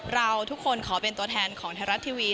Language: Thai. เราทุกคนขอเป็นตัวแทนของไทยรัฐทีวี